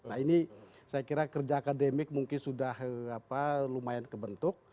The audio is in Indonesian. nah ini saya kira kerja akademik mungkin sudah lumayan kebentuk